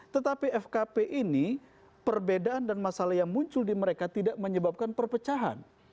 tetapi fkp ini perbedaan dan masalah yang muncul di mereka tidak menyebabkan perpecahan